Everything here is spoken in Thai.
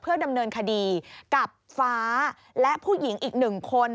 ดำเนินคดีกับฟ้าและผู้หญิงอีกหนึ่งคน